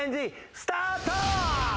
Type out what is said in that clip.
スタート！